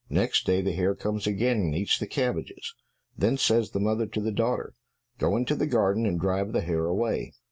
Next day the hare comes again and eats the cabbages, then says the mother to the daughter, "Go into the garden, and drive the hare away."